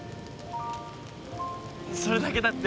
それだけだって。